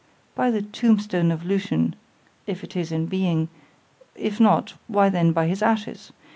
—By the tomb stone of Lucian——if it is in being——if not, why then by his ashes!